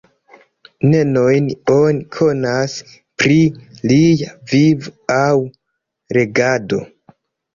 Nenion oni konas pri lia vivo aŭ regado.